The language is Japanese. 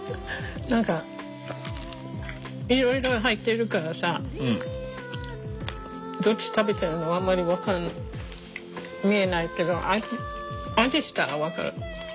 何かいろいろ入ってるからさどっち食べてるのあんまり分からない見えないけど味したら分かる。